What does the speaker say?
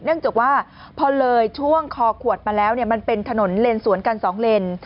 เนื่องจากว่าพอเลยช่วงคอขวดมาแล้วมันเป็นถนนเลนสวนกัน๒เลน